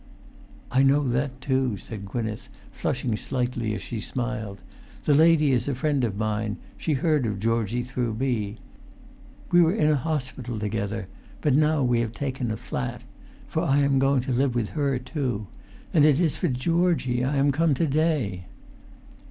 "I know that, too," said Gwynneth, flushing slightly as she smiled. "The lady is a friend of mine; she heard of Georgie through me. We were in a hospital together, but now we have taken a flat—for I am going to live with her too. And it is for Georgie I am come to day."